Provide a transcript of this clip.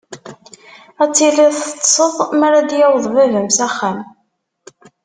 Ad tiliḍ teṭṭseḍ mara d-yaweḍ baba-m s axxam.